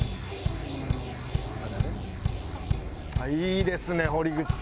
いいですね堀口さん。